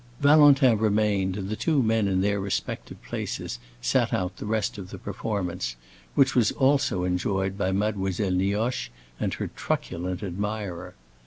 Valentin remained, and the two men, in their respective places, sat out the rest of the performance, which was also enjoyed by Mademoiselle Nioche and her truculent admirer.